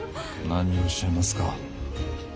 何をおっしゃいますか。